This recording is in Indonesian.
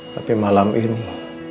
tapi malam ini